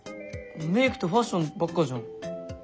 メークとファッションばっかじゃん。